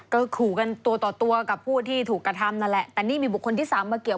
ก็ขู่กันตัวต่อตัวกับผู้ที่ถูกกระทำนั่นแหละแต่นี่มีบุคคลที่สามมาเกี่ยว